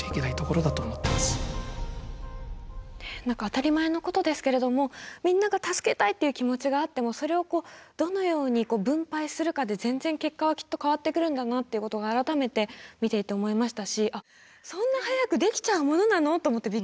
何か当たり前のことですけれどもみんなが助けたいっていう気持ちがあってもそれをどのように分配するかで全然結果はきっと変わってくるんだなっていうことが改めて見ていて思いましたし